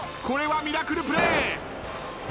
これはミラクルプレー。